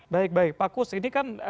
baik baik pak kus ini kan